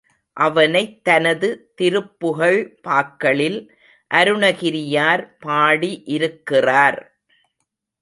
அவனைத் தனது திருப்புகழ் பாக்களில் அருணகிரியார் பாடி இருக்கிறார்.